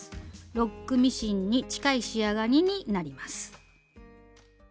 ロックミシンに近い仕上がりになります。